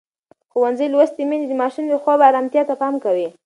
ښوونځې لوستې میندې د ماشومانو د خوب ارامتیا ته پام کوي.